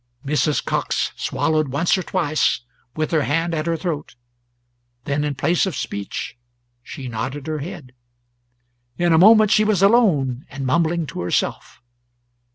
Mrs. Cox swallowed once or twice, with her hand at her throat, then in place of speech she nodded her head. In a moment she was alone, and mumbling to herself.